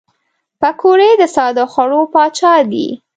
پکورې د ساده خوړو پاچا دي